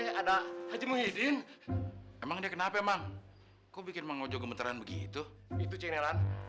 ada haji muhyiddin emang dia kenapa emang kok bikin mau joget menteran begitu itu cincin